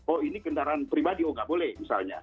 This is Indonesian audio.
oh ini kendaraan pribadi oh nggak boleh misalnya